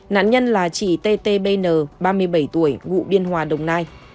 nạn nhân là chị tt bn ba mươi bảy tuổi ngụ biên hòa đồng nai